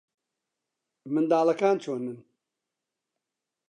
منداڵەکان چۆنن؟